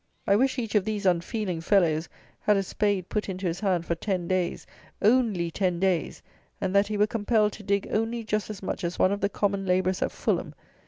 I wish each of these unfeeling fellows had a spade put into his hand for ten days, only ten days, and that he were compelled to dig only just as much as one of the common labourers at Fulham.